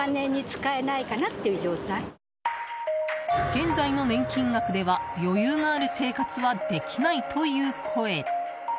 現在の年金額では余裕がある生活はできないという声。